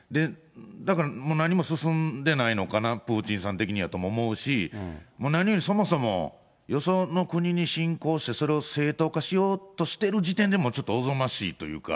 だからもう何も進んでないのかな、プーチンさん的にはとも思うし、何よりそもそもよその国に侵攻して、それを正当化しようとしてる時点で、もうちょっとおぞましいというか。